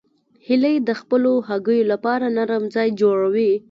هیلۍ د خپلو هګیو لپاره نرم ځای جوړوي